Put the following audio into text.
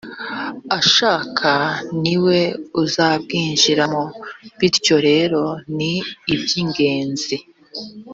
ashaka ni we uzabwinjiramo bityo rero ni iby ingenzi